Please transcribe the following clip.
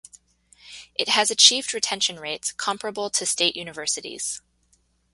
It has achieved retention rates comparable to state universities.